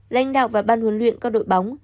lãnh đạo và ban huấn luyện các đội bóng